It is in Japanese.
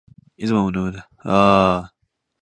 いつまでも疑い迷って、決断せずにためらうこと。